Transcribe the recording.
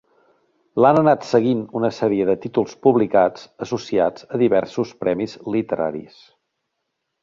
L'han anat seguint una sèrie de títols publicats associats a diversos premis literaris.